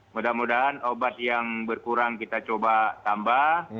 mudah mudahan obat yang berkurang kita coba tambah